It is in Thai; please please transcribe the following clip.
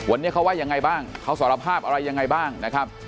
วันนี้เขาว่ายังไงบ้างเขาสารภาพอะไรยังไงบ้างนะครับ